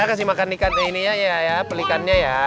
kasih makan ikan ini ya pelikannya ya